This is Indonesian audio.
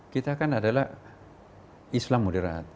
kita kan adalah islam moderat